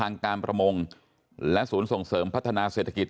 ทางการประมงและศูนย์ส่งเสริมพัฒนาเศรษฐกิจ